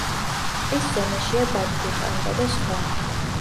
ტყის ზონაშია დათვი, პანდა და სხვა.